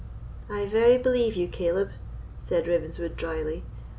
"I very believe you, Caleb," said Ravenswood, drily.